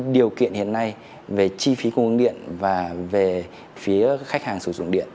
điều kiện hiện nay về chi phí cung ứng điện và về phía khách hàng sử dụng điện